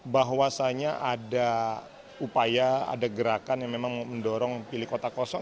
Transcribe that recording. bahwasannya ada upaya ada gerakan yang memang mendorong pilih kota kosong